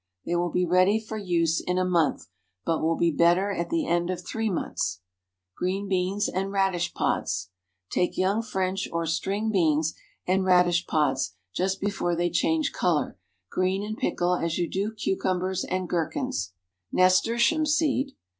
They will be ready for use in a month, but will be better at the end of three months. GREEN BEANS AND RADISH PODS. Take young French or "string" beans, and radish pods just before they change color; green and pickle as you do cucumbers and gherkins. NASTURTIUM SEED.